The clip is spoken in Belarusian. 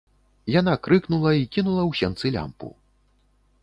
Яна крыкнула і кінула ў сенцы лямпу.